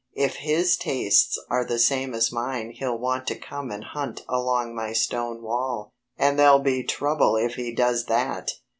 "If his tastes are the same as mine he'll want to come and hunt along my stone wall. And there'll be trouble if he does that!